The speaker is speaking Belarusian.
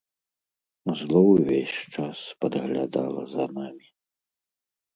Зло ўвесь час падглядала за намі.